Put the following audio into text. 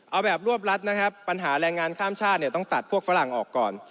เอาแบบรวบรัดนะครับปัญหาแรงงานข้ามชาติเนี่ยต้องตัดพวกฝรั่งออกก่อน